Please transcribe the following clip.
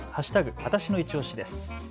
わたしのいちオシです。